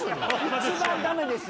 一番ダメですよ！